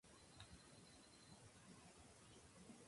Participaron en la serie hasta la unificación con la Indy Racing League.